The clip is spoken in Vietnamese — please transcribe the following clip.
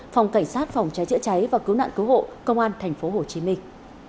phòng cảnh sát phòng trái chữa cháy và cứu nạn cứu hộ công an thành phố hồ chí minh